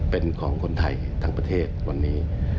เป็นของคนไทยทั้งประเทศวันนี้